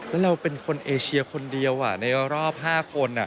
แล้วเราเป็นคนเอเชียคนเดียวในรอบ๕คน